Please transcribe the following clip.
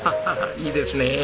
いいですね。